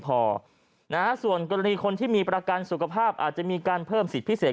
พอส่วนกรณีคนที่มีประกันสุขภาพอาจจะมีการเพิ่มสิทธิพิเศษ